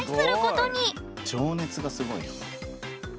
情熱がすごいな。